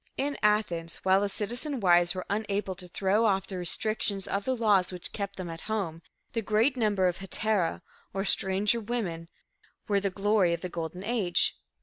In Athens, while the citizen wives were unable to throw off the restrictions of the laws which kept them at home, the great number of hetera, or stranger women, were the glory of the "Golden Age."